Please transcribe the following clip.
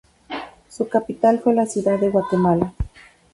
Su capital fue la ciudad de Guatemala.